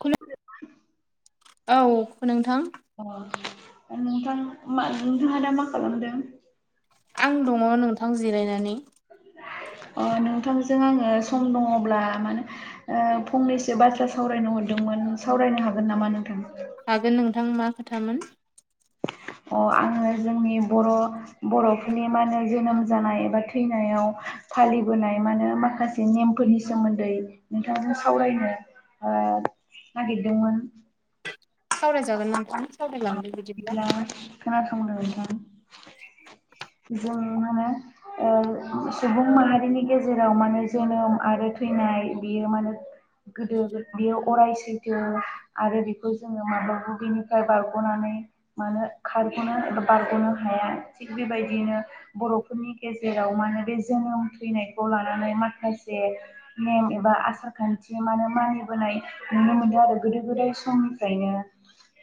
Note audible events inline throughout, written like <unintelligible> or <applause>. <unintelligible> औ नोंथां। अ नोंथां मा नोंथहा दा मा खालामदों? आं दंङ नोंथां जिरायनानै। <inaudible> ओ नोंथांजों आङो सम दंङब्ला माने ओ फंनैसो बाथ्रा सावरायनो हरदोंमोन। सावरायनो हागोन नामा नोंथां? हगोन नोंथां मा खोथामोन? अ आङो जोंनि बर' बर'फोरनि मा होनो जोनोम जानाय एबा थैनायाव फालिबोनाय मानो माखासे नेमफोरनि सोमोन्दै नोंथांजों सावरायनो ओ <inaudible> नागिरदोंमोन। सावरायजागोन नोंथां। सावरायलांदो बिदिब्ला <unintelligible> <inaudible> जों मा होनो ओ सुबुं माहारिनि गेजेराव माने जोनोम आरो थैनाय बियो माने गोदो बेयो अराय सैथो आरो बेखौ जोंङो माब्लाबा बेनिफ्राय बारग'नानै माने खारनो एबा बारगनो हाया। थिग बेबायदि बिदिनो बरफोरनि गेजेराव मा होन बे जोनोम थैनायखौ लानानै माखासे नेम एबा आसार खान्थि मानो मानिबोनाय नुनो मोनो आरो गोदो गोदाय समनिफ्रायनो।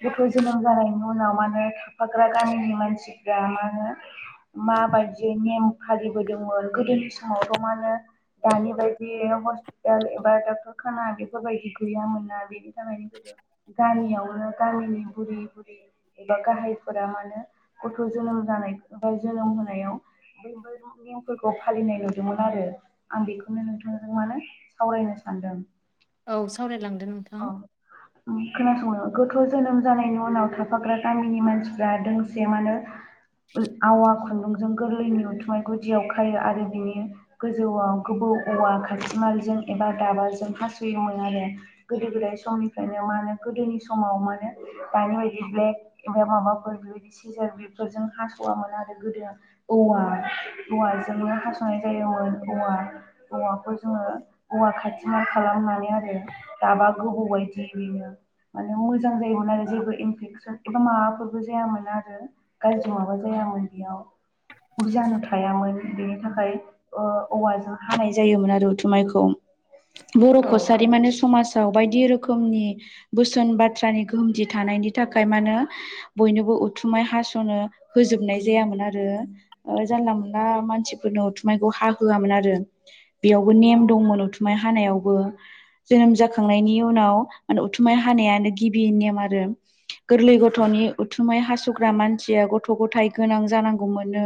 गथ जोनोम जानायनि उनाव मा होनो थाफाग्रा गामिनि मानसिफ्रा मा होनो माबायदिय नेम फालिबोदोंमोन गोदोनि समावथ माने दानि बायदि हस्पिटाल एबा डक्टर खाना बेफोरबायदि गैयामोनना बेनि थाखायनो गोदो गामियावनो गामिनि बुरै बुरै एबा गाहायफोरा मानो गथ' जोनो जोनोम जानाय फ्राय जोनोम होनायाव बेफोर नियमफोरखौ फालिनाय नुदोंमोन आरो आं बेखौनो नोंथांजों मानो सावरायनो सानदों। <inaudible> औ सावरायलांदो नोंथां अ खोनासंनो गोथ जोनोम जानायनि उनाव थाफाग्रा गामिनि मानसिफ्रा दोंसे मानो आवा खुन्दुंजों गोरलैनि उथुमा गुदियाव खायो आरो बिनि गोजौआव गोबौ औवा खाथिमालजों एबा दाबाजों हास'योमोन आरो गोदो गोदाय समनिफ्रायनो मा होनो गोदोनि समाव मा होनो दानि बायदि ब्लेक एबा माबाफोर सेजार बेफोरजों हासवोन आरो गोदो औव औ जजोंनो हासंनाय जायोमोन औवा औवाखौ जोङो औवा खाथि मा खालामनानै आरो दाबा गोबौबायदि बेनो माने मोजां जायोमोन आरो जेबो इनफेकसन एबा माबाफोरबो जायामोन आरो गाज्रि माबा जाय बेयाव ब जानो थायामोन बेनि थाखाय औवाजों हानाय जायोमोन आरोथुमायखौ बर' औ कसारि माने समाज औ बायदि रोखोमनि बोसोन बाथ्रानि गोहोमथि थानायनि थाखाय मा होनो बयनोबो उथुमाय हास'नो होजोबनाय जायामोन आरो ओ जानला मोनला मानसिफोरनो उथुमाय खौ हाहोआमोन आरो बेयावबो नेम दंमोन उथुमाय हानायावबो जोनोम जा खांनायनि उनाव माने उथुमाय हानायानो गिबि नेम आरो। गोरलै गथ'नि उथुमाय हास सुग्रा मानसिया गथ' गथाय गोनां जानांगौ मोननो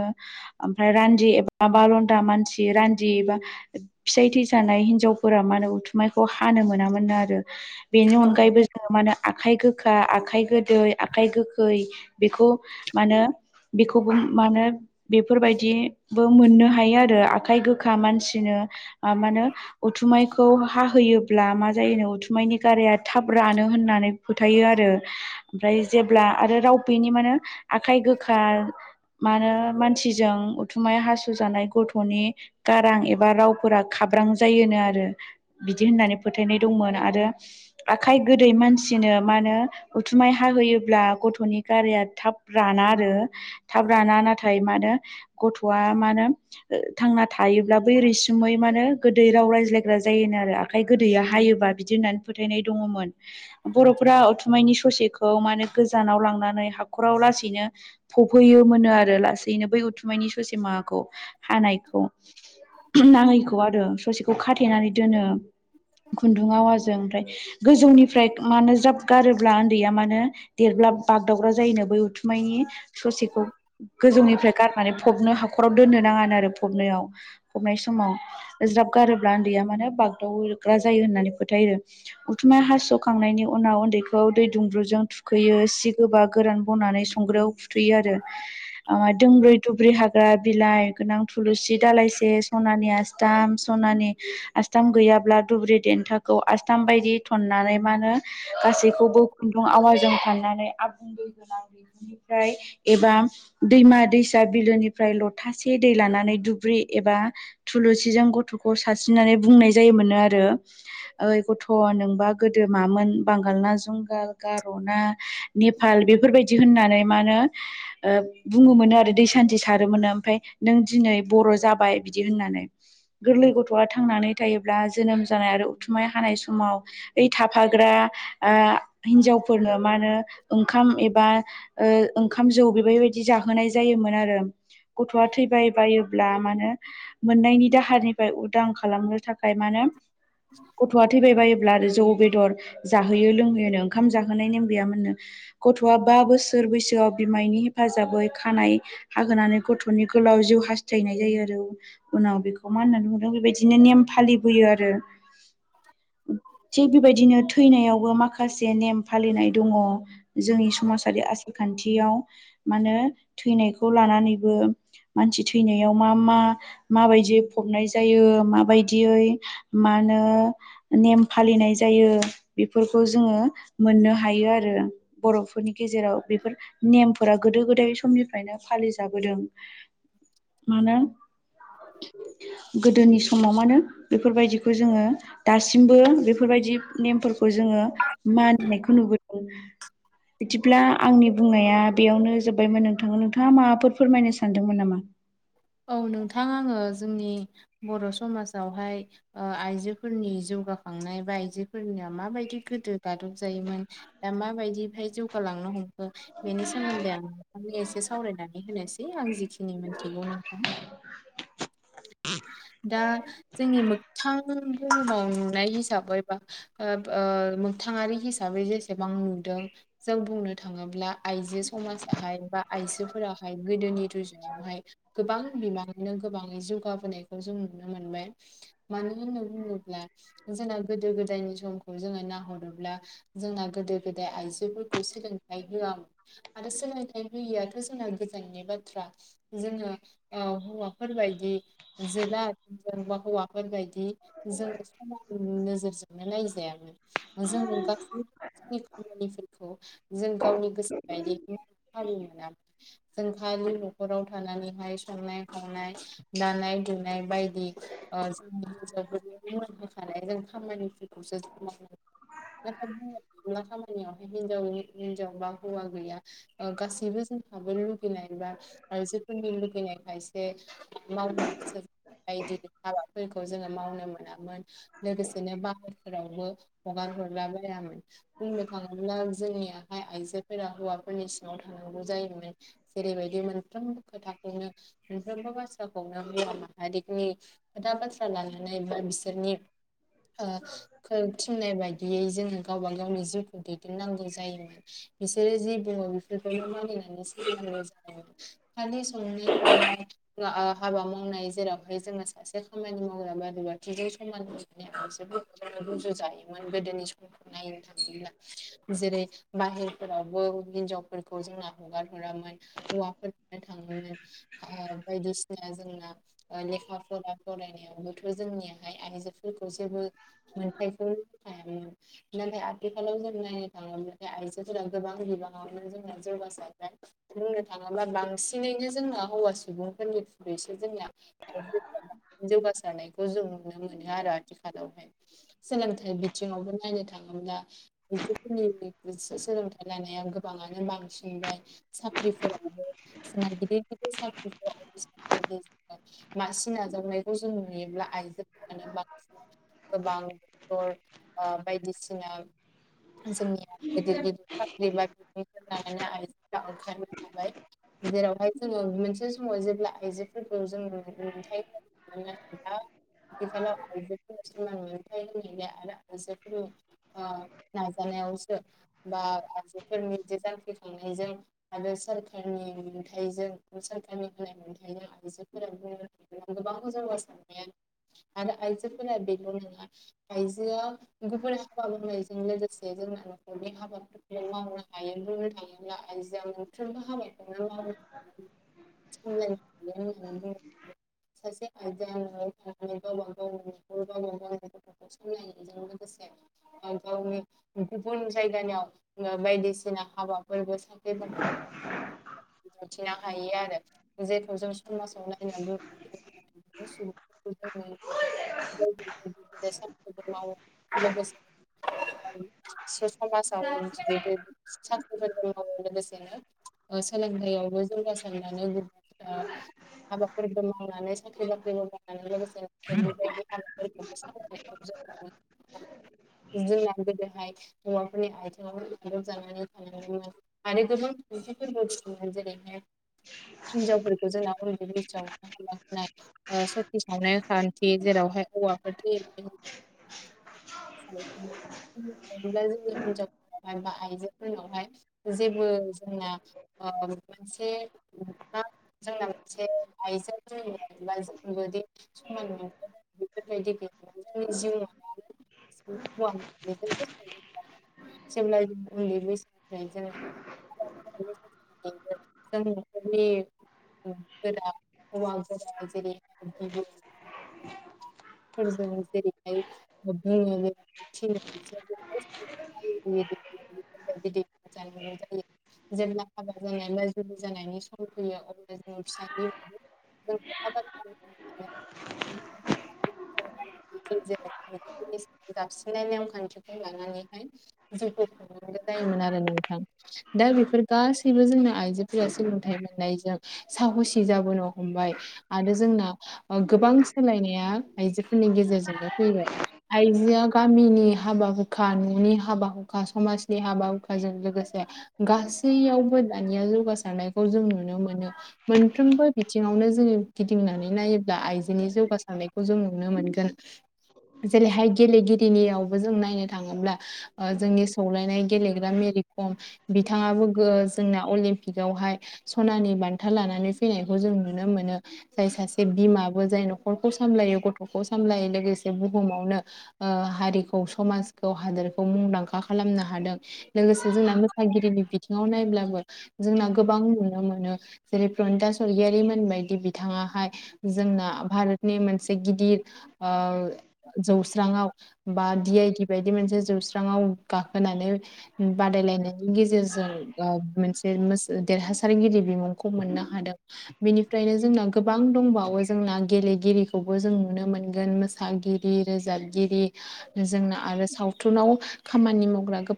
ओमफ्राय रान्दि एबा बालन्दा मान मानसि रान्दि एबा फिसाय थैजानाय हिनजावफोरा मा होनो उथुमायखौ हानो मोना मोन। मोन आरो बेनि औ अनगायैबो जोङो मा आखाइ गोखा आखाइ गोदै आखाइ गोखै बेखौ मानो बेखौबो मानो बेफोरबायदिबो मोननो हायो आरो आखाइ गोखा मानसिनो ओ मानो उथुमायखौ हाहोयाब्ला जायोनो उथुमायनि गाराया थाब रानो होननानै फोथायो आरो ओमफ्राय जेब्ला आरो राव बेनि मानो आखाय गोखा मानो मानसिजों उथुमाय हासु जानाय गथ'नि गारां एबा रावफोरा खाब्रां जायोनो आरो बिदि होननानै फो थायनाय दंमोन आरो आखाइ गोदै मानसिनो मानो उथुमाय हाहोयोब्ला गथ'नि गाराया थाब राना आरो। थाब राना नाथाय मानो गथ'आ मानो ओ थांना थायोब्ला बै रैसुमै मानो गोदै राव रायज्लायग्रा जायोनो आरो आखाय गो दैया हायोबा बिदि होननानै फोथायनाय दङमोन बर'फोरा उथुमायनि ससेखौ मानो गोजा नाव लांनानै हाखराव लासैनो फफैयोमोननो आरो लासैनो बै उथुमायनि ससे माहाखौ। हानायखौ नाङैखौ आरो ससेखौ खाथेनानै दोनो। खुन्दुं आवाजों ओमफ्राय गोजौनिफ्राय मानो ज्राब गारोब्ला उन्दैया मानो देर ब्ला बागदावग्रा जायोनो बै उथुमायनि ससेखौ गोजौनिफ्राय गारनानै फबनो हाखराव दोननो नाङानो आरो फबनायाव फबनाय समाव ज्राब गारोब्ला उन्दैया मानो बागदावो। ग्रा जायो होननानै फोथायो उथुमाय हास'खांनायनि उनाव उन्दैखौ दै दुंब्रुजों थुखैयो। सि गोबा गोरान बनानै संग्रायाव फुथुयो आरो दोंब्रै दुब्रि हाग्रा बि लाइ गोनां थुलुसि दालायसे सनानि आस्थाम सनानि आस्थाम गैयाब्ला दुब्रि देन्थाखौ आस्थाम बायदि थन्नानै मानो गासैखौबो खुन्दुं आवाजों थन नानै आबुं दैहुंआव एनिफ्राय एबा दैमा दैसा बिलोनिफ्राय लथा से दै लानानै दुब्रि एबा थुलुसिजों गथ'खौ सारस्रिनानै बुंनाय जायोमोनो आ रो ओइ गथ' नोंबा गोदो मामोन बांगाल ना जुंगाल गार'ना नेपाल बेफोरबायदि होननानै मा होनो ओ बुङोमोननो आरो दै सान्थि सारोमोनो ओमफाय नों दिनै बर' जाबाय बिदि होननानै गोरलै गथ'आ थांनानै थायोब्ला जोनोम जानाय आरो उथुमाय हानाय समाव बै थाफाग्रा ओ हिन्जावफोरनो मानो ओंखाम एबा ओ ओंखाम जौ बेबायबायदि जाहोनाय जायोमोन आरो। गथ'आ थैबाय बायो ब्ला माहोनो मोननायनि दाहारनिफ्राय उदां खालामनो थाखाय मानोे गथ'आ थैबाय बायोब्ला जौ बेदर जाहोयो लोंहोयोनो ओंखाम जाहोनाय नेम गैयामोननो गथ'आ बा बोसोर बैसो बिमायनि हेफाजाबै खानाय हाहोनानै गथ'नि गोलाव जिउ हास्थायनाय जायो आरो। उनाव बेखौ मा होननानै बुंदों बेबायदिनो नेम फालिबोयो आरो। <inaudible> थिग बेबायदिनो थैनायावबो माखासे नेम फालिनाय दङ जोंनि समाजारि आसारखा न्थियाव मा होनो थैनायखौ लानानैबो मानसि थैनायाव मा मा माबायदियै फबनाय जायो माबायदियै मा होनो नेम फालिनाय जायो बेफोरखौ जोङो मोननो हायो आरो। यो बर'फोरनि गेजेराव बेफोर नेमफोरा गोदो गोदाय समनिफ्रायनो फालिजाबोदों। <inaudible> मानो गोदोनि समाव मानो बेफोरबायदि खौ जोङो दासिमबो बेफोरबायदि नेमफोरखौ जोङो मानिनायखौ नुबोदों <unintelligible> बिदिब्ला आंनि बुंनाया बेयावनो जोब्बायमोन नोंथाङा नोंथाङा माबाफोर फोरमायनो सानदोंमोन नामा औ नोंथां आङो जोंनि बर' समाजावहाय ओ आइजोफोरनि जौगाखांनाय बा आइजोफोरनि मा बायदि गोदो गादब जायोमोन दा मा बायदि जौगा लांनो हमखो बेनि सोमोन्दै आं नोंथांनि एसे सावरायनानै होनोसै आं जिखिनि मोन मोनथिगौ नोंथां‌ दा जोंनि मोगथां बुहुमाव नुनाय हिसाबै बा ओ बो मोगथाङारि हिसाबै जेसेबां नुदों जों बुंनो थाङोब्ला आइजो समाजाहाय बा आइजोफोराहाय गोदोनि रुजुनायावहाय गोबां बिबाङैनो गोबाङै जौगाबोनायखौ जों नुनो मोनबाय मानो होनना बुङोब्ला जोंना गोदो गोदायनि समखौ जोङो नाहरोब्ला जोंना गोदो गोदाय आइजो सोलोंथाइ होआ आरो सोलोंथाइ होयियाथ' जोंना गोजाननि बाथ्रा जोङो हौवाफोरबायदि जोला जों बा हौवा फोरबायदि जोङो समान नोजोरजोंनो नायजायामोन जोङो गासैबो जोंनि खामानिफोरखौ जों गावनि गोसो बायदि फालिनो मोना जों खालि नखराव थानानैहाय संनाय खावनाय दानाय लुनाय बायदि ओ जोंनि <unintelligible> होखानाय जों खामानिफोरखौसो मावनांगौ नाथाय बुंनो थाङोबा खामानियावहाय हिनजाव हिनजाव बा हौवा गैया ओ गासैबो जों लुगैनाय बा आइजोफोरनि लुगैनाय खायसे मा होनस बायदि हाबाफोरखौ जोङो मावनो मोनामोन लोगोसेनो बाहेरफोरावबो हगार हरला बायामोन बुंनो थाङोब्ला जोंनियाहाय आइजोफोरा हौवाफोरनि सिङाव थांनांगौ जा <unintelligible> जेरैबादि‌ मोनफ्रोम खोथाखौनो मोनफ्रोमबो बाथ्राखौनो माहारिनि खोथा बाथ्रा लानानै बिसोरनि ओ थिननाय बायदियै जोङो गावबा गावनि जिउखौ दैदेननांगौ जायोमोन बिसोरो जि बुङो बेफोरखौनो मानिनानै सोलि <unintelligible> खालि संनाय <unintelligible> ओ हाबा मावनाय जेरावहाय जोङो सासे खामानि मावग्रा बादि <unintelligible> रुजु जायोमोन गोदोनि सम नायनो थाङोब्ला जेरै बाहेरफोरावबो हिनजावफोरखौ जोंना हगारहरामोन हौवाफोर ओ बायदिसिना जोंना ओ लेखा फरा फरायनायावबोथ' जोंनियाहाय आइजोफोरखौ जेबो मोनथायखौ होखायामोन नाथाय आथिखालाव जों नायनो थाङोब्लाथाय आइजोफोरा गोबां बिबाङावनो जों <unintelligible> बुंनो थाङोबा बां बांसिनैनो जोंना हौवा सुबुंफोरनिख्रुयैसो जोंनिया आइजोफोरा जौगासारनायखौ जों नुनो मोनो आरो आथिखालावहाय सोलोंथाइ बिथिङावबो नायनो थाङो। ब्ला आइजोफोरनि सोलोंथाइ लानाया गोबाङानो बांसिनबाय साख्रि गिदिर गिदिर <unintelligible> मासि नाजावनायखौ जों नुयोब्ला आइजोफोरानो बांसिन गोबां क्टर बायदिसिना जोंनिया <unintelligible> आइजोफोरा ओंखारबोनो हाबाय। जेरावहाय जोङो मोनसे समाव जेब्ला आइजोफोरखौ जोंङो मोनथाय होनो <unintelligible> आथिखालाव आइजोफोरा समान मोनथाय <unintelligible> आरो आइजोफोरनि आं नाजानायावसो बा आइजोफोरनि जांख्रिखांनायजों आरो सोरखारनि मोनथाइजों सरकारनि होनाय मोनथाइजों आइजोफोरा बुं गोबांखौ जौगासारनाया आरो आइजोफोरा बेल' नङा आयजोआ गुबुन हाबा मावनायजों लोगोसे जोंना न'खरनि हाबाफोरखौ मावनो हायो हायोब्ला आइजों मोनफ्रोमबो हाबाय हायो होननानै बुङो सासे आयदा होननानै थनानै गावबा गावनि न'खर गावब गावनि गथ'खौ सलायनायजों लोगोसे गावनि गुबुन जायगानियाव बायदिसिना हाबा लोगोसे <unintelligible> मिथिनो हायो आरो जेखौ जों समाजाव नायनो जद सान मावो लोगोसे समाजाव साख्रिफोर मावो लोगोसेनो सोलोंथायाइयावबो जौगासारनानै हाबाफोरबो मावनानै साख्रि बाख्रिबो मावनानै लोगोसे बेफोरबायदि हाबाफोरखौबो सामलायनायखौ जों <unintelligible> जोंना गोदोहाय हौवाफोरनि आथिङाव ग्रोबजानानै थायोमोन आरो गोबां जेरैहाय हिनजावफोरखौ जोंना उन्दै बैसोआव होनाय ओ सति सावनाय खान्थि जेराव हौवाफोर थैयोबा बुं थाङा जोंनि हिनजावफोरहाय बा आइजोफोरनावहाय जेबो जोंना मोनसे जोंना मोनसे आइजो <unintelligible> समान बेफोरबायदि गोबा जिउ <unintelligible> सिब्ला जों उन्दै बैसोनिफ्राय जो गावनि नखरनि <unintelligible> <unintelligible> <unintelligible> हाबा जानाय बा जुलि जानायनि सम फैयो अब्ला जों फिसा <unintelligible> <unintelligible> जाबसिननाय नेम खान्थिखौ लानानैहाय जिउखौ खांनांगोन जायोमोन आरो नोंथां। दा बेफोर गासैबो जोंनि आइजोफोरा सोलोंथाइ मोननायजों साहसि जाबोनो हमबाय आरो जों जों गोबां सोलायनाया आइजोफोरनि गेजेरजोंनो फैबाय। जिया गामिनि हाबा हुखा न'नि हाबा हुखा समाजनि हाबा हुखाजों लोगोसे गासै यावबो दानिया जौगासारनायखौ जों नुनो मोनो मोनफ्रोमबो बिथिङावनो जोङो गिदिं बुंनानै नायोब्ला आइजोनि जौगासारनायखौ जों नुनो मोनगोन जेरैहाय गेलेगिरिनियावबो जों नायनो थाङोब्ला जोंनि सौलायनाय गेलेग्रा मेथ रिखम बिथाङाबो ओ जोंना अलिम्पिक आवहाय सनानि बान्था लानानै फैनायखौ जों नुनो मोनो जायो सासे बिमाबो जाय न'खरखौ सामलायो गथ'खौ सामलायो लोगोसे बुहुमावनो ह समखौ हादोरखौ मुंदांखा खालामनो हादों लोगोसे जोंना मोसागिरिनि बिथिङाव नायब्लाबो जोंना गोबां नुनो मोनो जेरै प्रनिता सरगियारि मोनबायायदि बिथाङा हाय जोंना भारतनि मोनसे गिदिर ओ जौस्रांआव बा डि आइ डि बायदि मोनसे जोबस्रांआव गाखोनानै बादायलायनायनि गेजेरजों मोनसे देरहासारगिरि बिमुंखौ मोननो हादों बेनिफ्रायनो जोंना गोबां दंबावो जोंना गेलेगिरिखौबो जों नुनो मोनगोन मोसागिरि रोजाबगिरि जोंना आरो सावथुनाव खामानि मावग्रा गोबां